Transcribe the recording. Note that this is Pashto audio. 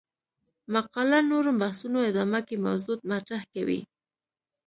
مقاله نورو بحثونو ادامه کې موضوع مطرح کوي.